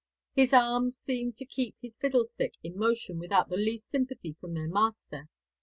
His arms seemed to keep his fiddlestick in motion without the least sympathy from their master.